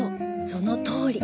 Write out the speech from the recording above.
そのとおり。